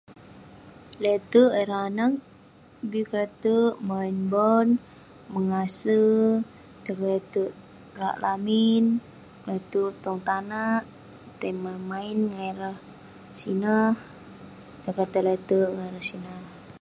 Le'terk ireh anag bi kle'terk main bon, mengase, tai kle'terk rak lamin, kle'terk tong tanak, tai main main ngan ireh sineh..tai pate le'terk ngan ireh sineh..